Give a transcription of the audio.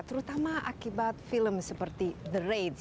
terutama akibat film seperti the raids